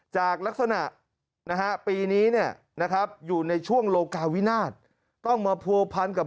จากลักษณะนะฮะปีนี้เนี่ยนะครับอยู่ในช่วงโลกาวินาศต้องมาผัวพันกับ